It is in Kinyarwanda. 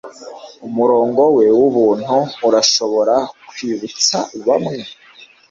umurongo we wubuntu urashobora kwibutsa bamwe